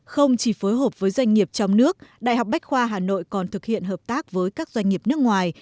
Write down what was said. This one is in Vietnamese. không chỉ phối hợp với doanh nghiệp trong nước đại học bách khoa hà nội còn thực hiện hợp tác với các doanh nghiệp nước ngoài